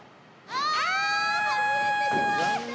ああ外れてしまった！